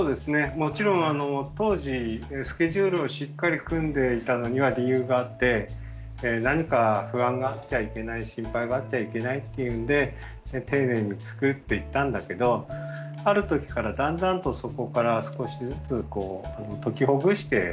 もちろん当時スケジュールをしっかり組んでいたのには理由があって何か不安があっちゃいけない心配があっちゃいけないっていうんで丁寧に作っていったんだけどある時からだんだんとそこから少しずつこう解きほぐしてあえていったんですね。